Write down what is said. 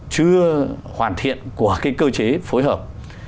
chưa hoàn thiện của cái cơ chế phối hợp